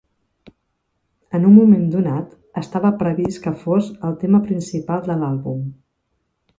En un moment donat, estava previst que fos el tema principal de l'àlbum.